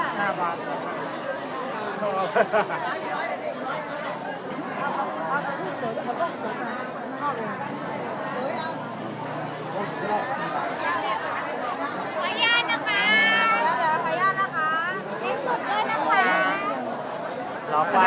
และที่อยู่ด้านหลังคุณยิ่งรักนะคะก็คือนางสาวคัตยาสวัสดีผลนะคะ